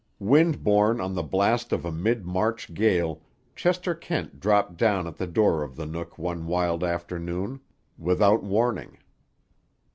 Wind borne on the blast of a mid March gale, Chester Kent dropped down at the door of the Nook one wild afternoon, without warning.